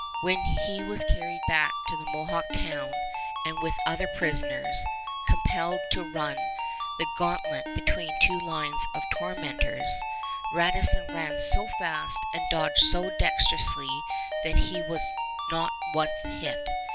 When he was carried back to the Mohawk town and with other prisoners compelled to run the gauntlet between two lines of tormentors, Radisson ran so fast and dodged so dexterously that he was not once hit.